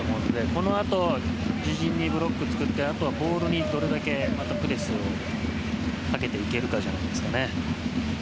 このあと自陣にブロックを作ってあとはボールに、どれだけプレスかけていけるかじゃないですかね。